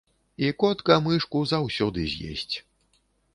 І котка мышку заўсёды з'есць.